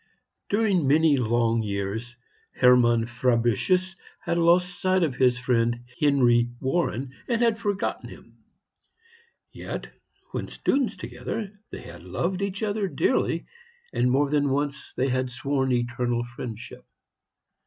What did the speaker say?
During many long years Hermann Fabricius had lost sight of his friend Henry Warren, and had forgotten him. Yet when students together they had loved each other dearly, and more than once they had sworn eternal friendship.